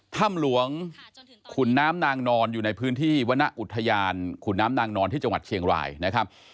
ถ้ำหลวงขุนน้ำนางนอนอยู่ในพื้นที่วรรณอุทยานขุนน้ำนางนอนที่จังหวัดเชียงรายนะครับ